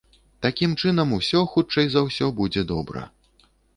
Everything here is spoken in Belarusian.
Такім чынам, усё, хутчэй за ўсё, будзе добра.